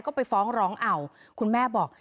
ก็ไปฟ้องร้องเอาคุณแม่บอก